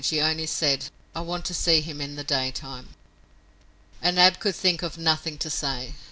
She only said: "I want to see him in the daytime." And Ab could think of nothing to say.